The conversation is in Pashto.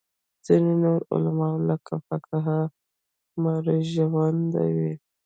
ځینې نور علوم لکه فقه مړژواندي وو.